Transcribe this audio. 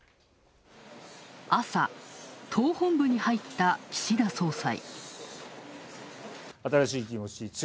朝、党本部に入った岸田総裁。